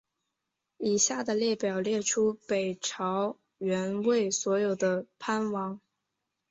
以下的列表列出北朝元魏所有的藩王。